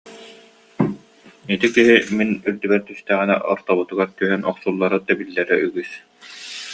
Ити киһи мин үрдүбэр түстэҕинэ ортобутугар түһэн, охсуллара, тэбиллэрэ үгүс